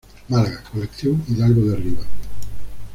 Málaga, colección Hidalgo de Rivas.